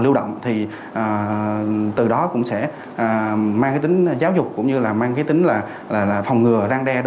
lưu động thì từ đó cũng sẽ mang cái tính giáo dục cũng như là mang cái tính là phòng ngừa răng đe